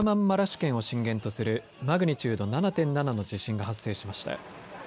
県を震源とするマグニチュード７．７の地震が発生しました。